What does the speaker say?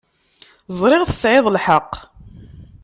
Ẓṛiɣ tesɛiḍ lḥeq.